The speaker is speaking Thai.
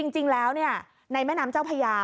จริงแล้วในแม่น้ำเจ้าพญา